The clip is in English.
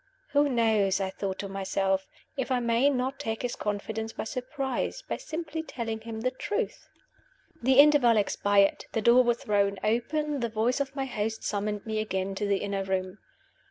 "Who knows," I thought to myself, "if I may not take his confidence by surprise, by simply telling him the truth?" The interval expired; the door was thrown open; the voice of my host summoned me again to the inner room.